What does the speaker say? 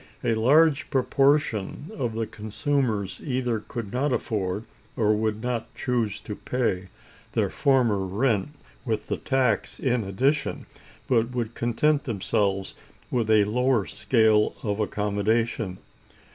A large proportion of the consumers either could not afford, or would not choose, to pay their former rent with the tax in addition, but would content themselves with a lower scale of accommodation.